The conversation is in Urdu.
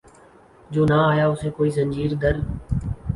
جو نہ آیا اسے کوئی زنجیر در